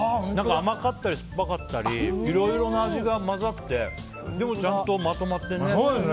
甘かったり酸っぱかったりいろいろな味が混ざってでも、ちゃんとまとまってるね。